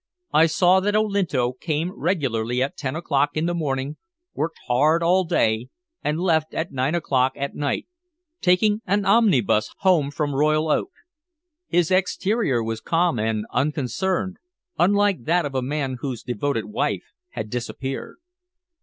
I saw that Olinto came regularly at ten o'clock in the morning, worked hard all day, and left at nine o'clock at night, taking an omnibus home from Royal Oak. His exterior was calm and unconcerned, unlike that of a man whose devoted wife had disappeared.